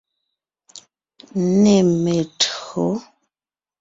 Nê me[o tÿǒ.